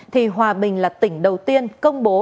thì hòa bình là tỉnh đầu tiên công bố